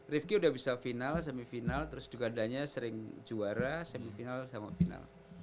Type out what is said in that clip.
rifqi udah bisa final semifinal terus juga adanya sering juara semifinal sama final